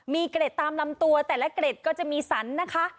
มีเกร็ดตามลำตัวแต่ละเกร็ดก็จะมีสันนะคะ